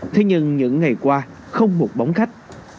thế nhưng những ngày qua không một bóng khách